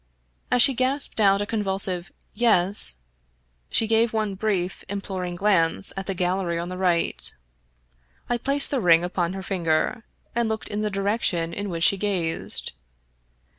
As she gasped out a convulsive " Yes," she gave one brief, imploring glance at the gallery on the right I placed the ring upon her finger, and looked in the direction in which she gazed.